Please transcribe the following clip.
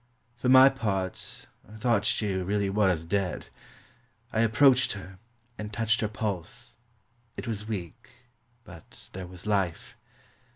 For my part, I thought she really was dead. I ap proached her, and touched her pulse. It was weak, but there was life.